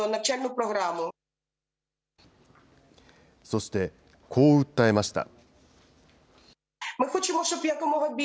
そして、こう訴えました。